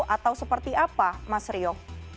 atau seperti apa mas rio